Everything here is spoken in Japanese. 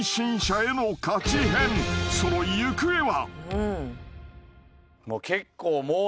［その行方は］